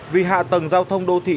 vì hạ tầng giao thông đô thị